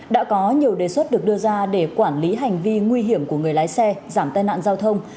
đã có nhiều đề xuất được đưa ra để quản lý hành vi nguy hiểm của người lái xe giảm tai nạn giao thông